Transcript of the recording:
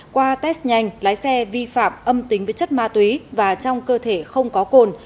qua test nhanh lái xe vi phạm âm tính với chất ma túy và trong cơ thể không có cồn